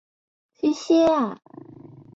有子章碣。